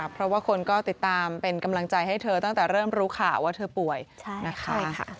เพราะว่าคนก็ติดตามเป็นกำลังใจให้เธอตั้งแต่เริ่มรู้ข่าวว่าเธอป่วยนะคะ